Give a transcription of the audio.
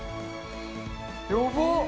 やばっ。